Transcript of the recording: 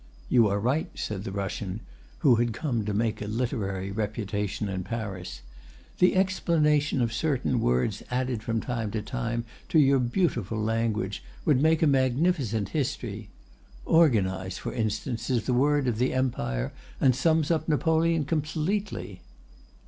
"You are right," said the Russian, who had come to make a literary reputation in Paris. "The explanation of certain words added from time to time to your beautiful language would make a magnificent history. Organize, for instance, is the word of the Empire, and sums up Napoleon completely."